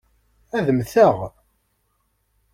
Ad mmteɣ?